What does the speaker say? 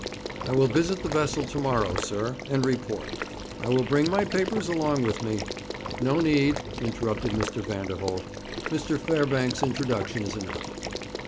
'I will visit the vessel to morrow, sir, and report. I will bring my papers along with me ' 'No need,' interrupted Mr. Vanderholt; 'Mr. Fairbanks' introduction is enough.'